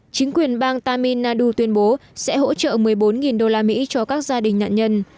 chính quyền bang tamil nadu tuyên bố sẽ hỗ trợ một mươi bốn usd cho các gia đình nạn nhân